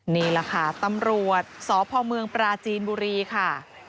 นี่แหละค่ะตำรวจสพเมืองปราจีนบุรีค่ะ